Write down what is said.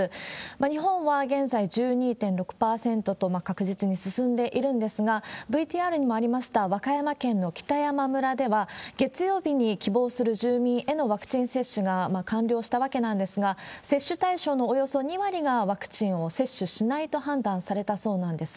日本は現在１２．６％と、確実に進んでいるんですが、ＶＴＲにもありました和歌山県の北山村では、月曜日に希望する住民へのワクチン接種が完了したわけなんですが、接種対象のおよそ２割がワクチンを接種しないと判断されたそうなんです。